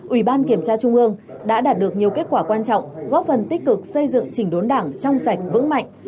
ủy ban kiểm tra trung ương đã đạt được nhiều kết quả quan trọng góp phần tích cực xây dựng chỉnh đốn đảng trong sạch vững mạnh